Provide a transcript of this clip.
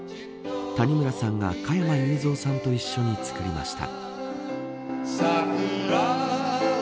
谷村さんが加山雄三さんと作りました。